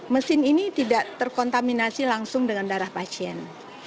mesin ini tidak terkontaminasi langsung dengan darah pasien